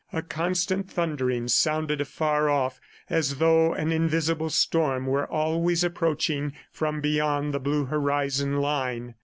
A constant thundering sounded afar off as though an invisible storm were always approaching from beyond the blue horizon line.